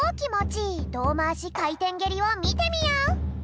いいどうまわしかいてんげりをみてみよう。